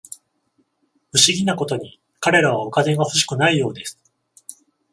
不思議なことに、彼らはお金が欲しくないようです